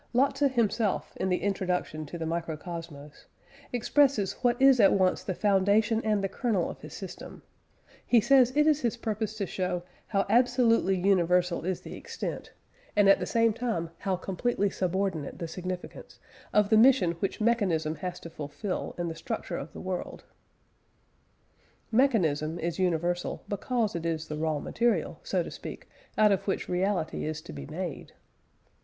Lotze himself in the introduction to the Microcosmos, expresses what is at once the foundation and the kernel of his system: he says it is his purpose to show "how absolutely universal is the extent, and at the same time how completely subordinate the significance, of the mission which mechanism has to fulfil in the structure of the world." (E.T., p. xvi.) Mechanism is universal, because it is the raw material, so to speak, out of which reality is to be made.